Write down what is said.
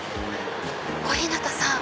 小日向さん。